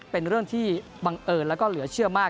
เป็นเรื่องที่บังเอิญแล้วก็เหลือเชื่อมาก